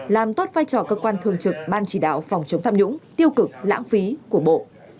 làm tốt vai trò cơ quan thường trực ban chỉ đạo phòng chống tham nhũng tiêu cực lãng phí của bộ